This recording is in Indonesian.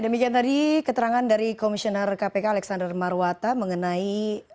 demikian tadi keterangan dari komisioner kpk alexander marwata mengenai